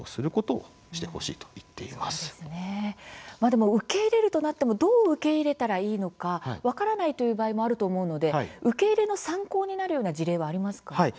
でも、受け入れるとなってもどう受け入れたらいいのか分からないという場合もあると思うので受け入れの参考になるような事例はありますか？